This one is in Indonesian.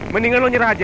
mendingan lu nyerah aja